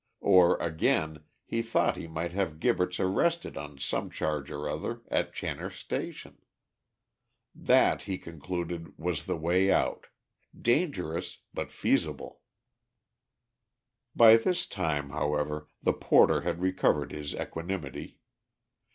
Or, again, he thought he might have Gibberts arrested on some charge or other at Channor Station. That, he concluded, was the way out dangerous, but feasible. By this time, however, the porter had recovered his equanimity.